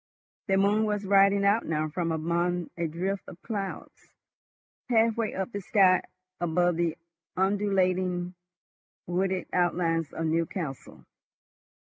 The moon was riding out now from among a drift of clouds, halfway up the sky above the undulating wooded outlines of Newcastle.